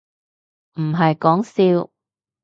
唔係講笑